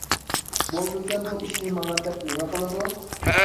بولمىسا بۇ ئىشنى ماڭا دەپ نېمە قىلىدۇ؟ !